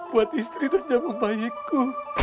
buat istri dan jabung bayiku